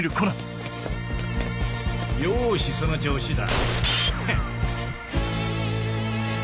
よしその調子だ。